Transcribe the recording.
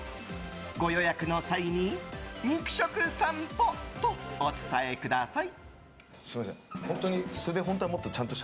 ご予約の際に肉食さんぽとお伝えください。